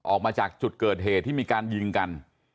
ออกมาจากจุดเกิดเหตุที่มีการยิงกัน